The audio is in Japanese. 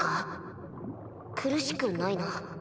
苦しくないな。